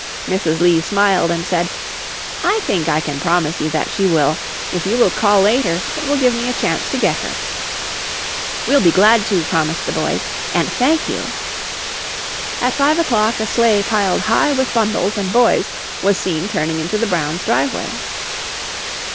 Mrs. Lee smiled and said: "I think I can promise you that she will. If you will call later it will give me a chance to get her." "We'll be glad to," promised the boys, "and thank you." At five o'clock a sleigh piled high with bundles and boys was seen turning into the Brown's driveway.